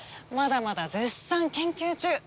まだまだ絶賛研究中。